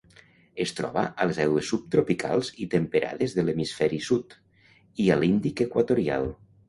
Es troba a les aigües subtropicals i temperades de l'hemisferi sud, i a l'Índic equatorial.